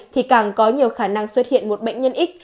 thì càng có nhiều khả năng xuất hiện một bệnh nhân ít